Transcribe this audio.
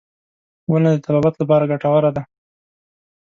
• ونه د طبابت لپاره ګټوره ده.